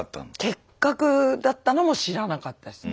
結核だったのも知らなかったです。